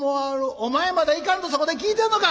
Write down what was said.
お前まだ行かんとそこで聞いてんのか！